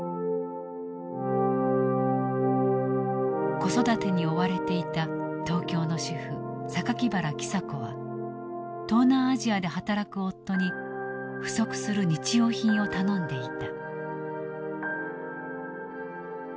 子育てに追われていた東京の主婦原喜佐子は東南アジアで働く夫に不足する日用品を頼んでいた。